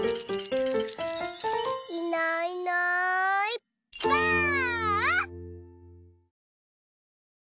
いないいないばあっ！